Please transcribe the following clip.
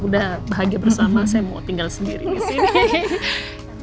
sudah bahagia bersama saya mau tinggal sendiri disini